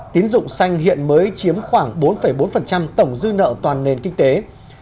tín dụng xanh hiện mới chiếm khoảng bốn bốn tổng dư nợ toàn nền kinh tế